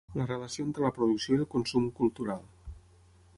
La relació entre la producció i el consum cultural.